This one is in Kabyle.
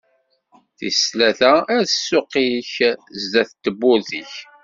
Tis tlata: Err ssuq-ik sdat n tewwurt-ik.